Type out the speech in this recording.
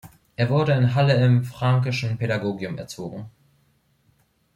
Er wurde in Halle im Franckeschen Pädagogium erzogen.